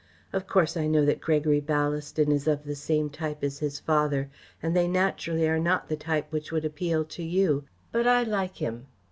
Of course I know that Gregory Ballaston is of the same type as his father and they naturally are not the type which would appeal to you, but I like him.